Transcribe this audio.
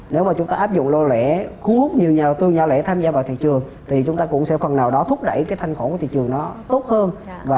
nếu mà chúng ta áp dụng lô lễ khu hút nhiều nhà tư nhà lễ tham gia vào thị trường thì chúng ta cũng sẽ phần nào đó thúc đẩy cái thanh khổ của thị trường nó tốt hơn